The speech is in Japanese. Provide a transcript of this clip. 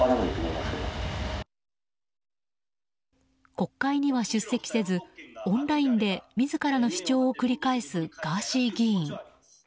国会には出席せずオンラインで自らの主張を繰り返すガーシー議員。